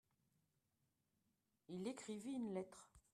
Il écrivit une lettre.